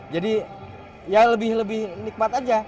jadi ya lebih lebih nikmat aja